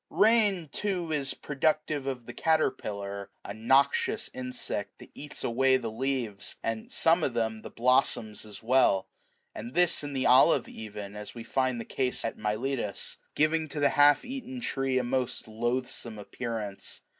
Eain, too, is productive of the caterpillar, a noxious insect that eats away the leaves, and, some of them, the blossoms as well ; and this in the olive even, as we find the case at Miletus ; giving to the half eaten tree a most loathsome appearance.